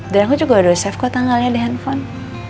dan aku juga udah save kok tanggalnya di handphone